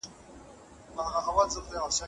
ډېر کتابونه یې ژباړلي او خپاره کړي وو.